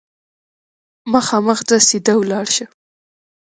مخامخ ځه ، سیده ولاړ شه !